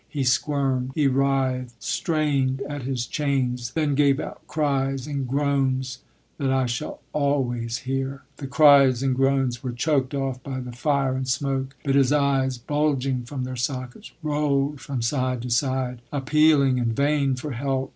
He squirmed, he writhed, strained at his chains, then gave out cries and groans that I shall always hear. The cries and groans were choked off by the fire and smoke; but his eyes, bulging from their sockets, rolled from side to side, appealing in vain for help.